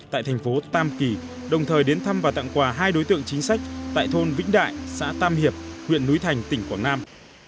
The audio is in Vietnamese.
tại thành phố tam kỳ đồng thời đến thăm và tặng quà hai đối tượng chính sách tại thôn vĩnh đại xã tam hiệp huyện núi thành tỉnh quảng nam